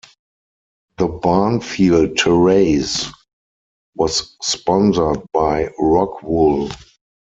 The Barnfield Terrace was sponsored by Rockwool.